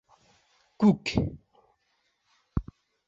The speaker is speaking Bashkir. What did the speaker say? Күк